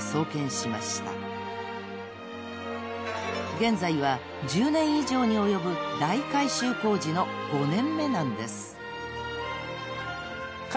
［現在は１０年以上に及ぶ大改修工事の５年目なんです］